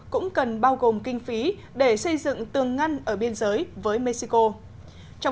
cũng cần bao gồm kinh phí để xây dựng tường ngăn ở biên giới với mexico